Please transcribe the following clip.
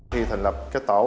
thì thành lập một tháng trước